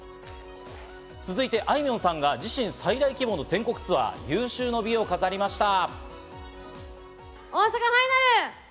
続いて、あいみょんさんが自身最大規模の全国ツアー、有終の美を飾りました。